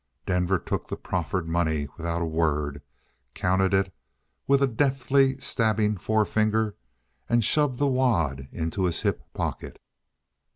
Denver took the proffered money without a word, counted it with a deftly stabbing forefinger, and shoved the wad into his hip pocket.